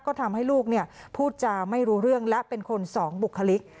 ก็ทำให้ลูกพูดจาไม่รู้เรื่องและเป็นคนสองบุคลิก